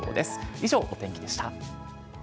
以上、お天気でした。